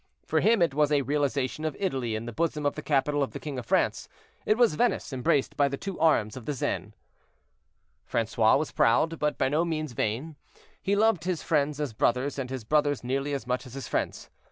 For him it was a realization of Italy in the bosom of the capital of the king of France, it was Venice embraced by the two arms of the Seine. Francois was proud, but by no means vain; he loved his friends as brothers, and his brothers nearly as much as his friends.